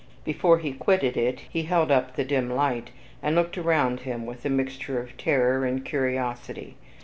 Before he quitted it, he held up the dim light, and looked around him with a mixture of terror and curiosity.